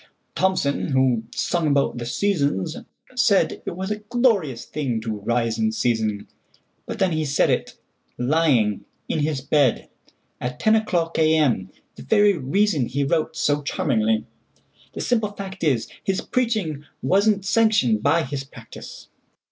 Thomson, who sung about the "Seasons," saidIt was a glorious thing to rise in season; But then he said it—lying—in his bed, At ten o'clock A.M.,—the very reasonHe wrote so charmingly. The simple fact is, His preaching was n't sanctioned by his practice.